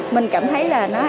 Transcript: mình cảm thấy là nó an toàn